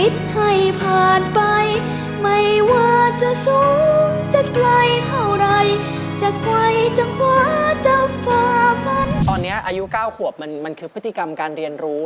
ตอนนี้อายุ๙ขวบมันคือพฤติกรรมการเรียนรู้